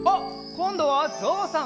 こんどはぞうさん！